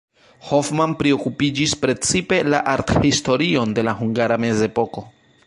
Hoffmann priokupiĝis precipe la arthistorion de la hungara mezepoko.